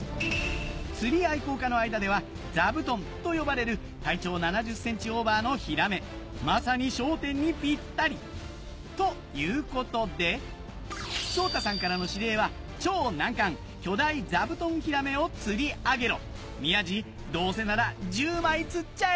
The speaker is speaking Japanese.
釣り愛好家の間では座布団と呼ばれる体長７０ｃｍオーバーのヒラメまさに『笑点』にピッタリということで昇太さんからの指令は超難関巨大座布団ヒラメを釣り上げろ宮治どうせなら１０枚釣っちゃえ！